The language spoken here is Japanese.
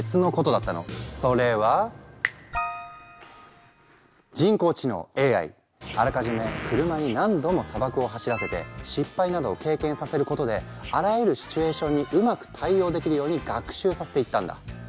それはあらかじめ車に何度も砂漠を走らせて失敗などを経験させることであらゆるシチュエーションにうまく対応できるように学習させていったんだ。